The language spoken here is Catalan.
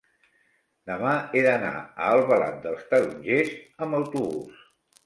Demà he d'anar a Albalat dels Tarongers amb autobús.